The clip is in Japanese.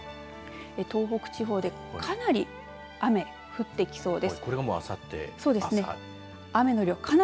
東北地方でかなり雨、降ってきそうです。